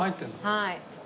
はい。